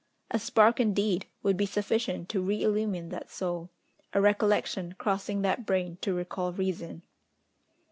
A spark, indeed, would be sufficient to reillumine that soul, a recollection crossing that brain to recall reason.